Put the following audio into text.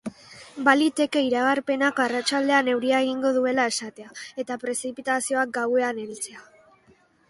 Baliteke iragarpenak arratsaldean euria egingo duela esatea, eta prezipitazioak gauean heltzea.